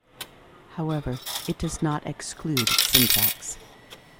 However, it does not exclude syntax.